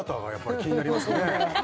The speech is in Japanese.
気になりますよね